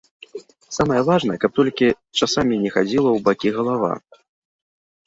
Самае важнае, каб толькі часамі не хадзіла ў бакі галава.